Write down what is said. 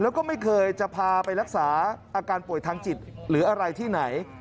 แล้วก็ไม่เคยจะพาไปรักษาอาการป่วยทางจิตหรืออะไรที่ไหน